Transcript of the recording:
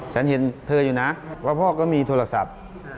ฉันเห็นเธออยู่นะว่าพ่อก็มีโทรศัพท์